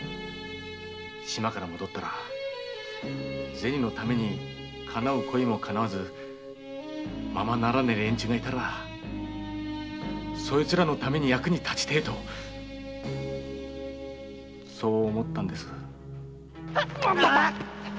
島から戻ったらゼニのために恋もかなわずままならねェ連中がいたらそいつらの役に立ちてえとそう思ったんです。